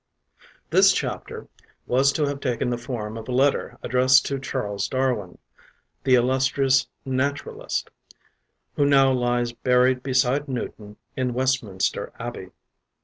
This chapter was to have taken the form of a letter addressed to Charles Darwin, the illustrious naturalist who now lies buried beside Newton in Westminster Abbey.